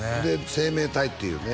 「生命体」っていうね